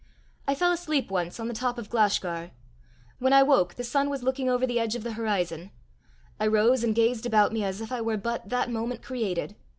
I fell asleep once on the top of Glashgar: when I woke the sun was looking over the edge of the horizon. I rose and gazed about me as if I were but that moment created.